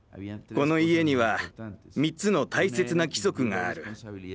この家には３つの大切な規則がある。